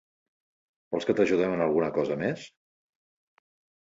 Vols que t'ajudem en alguna cosa més?